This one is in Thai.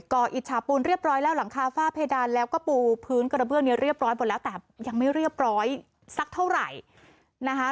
อิจฉาปูนเรียบร้อยแล้วหลังคาฝ้าเพดานแล้วก็ปูพื้นกระเบื้องนี้เรียบร้อยหมดแล้วแต่ยังไม่เรียบร้อยสักเท่าไหร่นะคะ